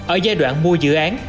ở giai đoạn mua dự án